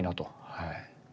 はい。